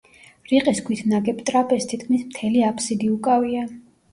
რიყის ქვით ნაგებ ტრაპეზს თითქმის მთელი აბსიდი უკავია.